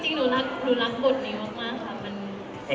เสียงปลดมือจังกัน